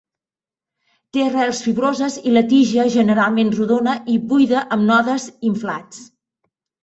Té arrels fibroses i la tija generalment rodona i buida amb nodes inflats.